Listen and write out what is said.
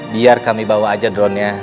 biar kami bawa aja dronenya